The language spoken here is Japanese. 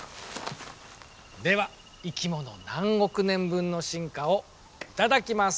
では生き物何億年分の進化を頂きます。